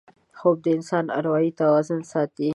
خوب د انسان اروايي توازن ساتي